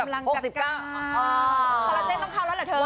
คอลลาเจนต้องเข้าแล้วเหรอเธอ